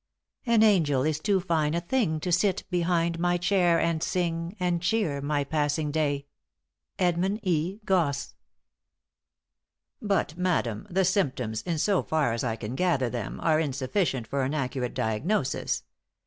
* An angel is too fine a thing To sit behind my chair and sing And cheer my passing day. EDMUND E. GOSSE. "But, madam, the symptoms, in so far as I can gather them, are insufficient for an accurate diagnosis.